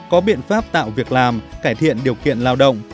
có biện pháp tạo việc làm cải thiện điều kiện lao động